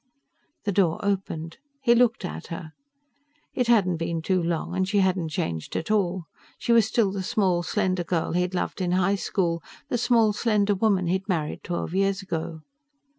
The door opened; he looked at her. It hadn't been too long and she hadn't changed at all. She was still the small, slender girl he'd loved in high school, the small, slender woman he'd married twelve years ago.